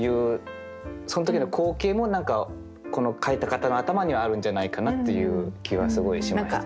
その時の光景も何かこの書いた方の頭にはあるんじゃないかなっていう気はすごいしましたね。